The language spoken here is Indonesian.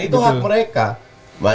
itu hak mereka